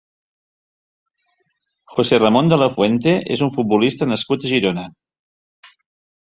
José Ramón de la Fuente és un futbolista nascut a Girona.